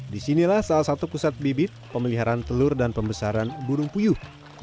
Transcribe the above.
disinilah salah satu pusat bibit pemeliharaan telur dan pembesaran burung puyuh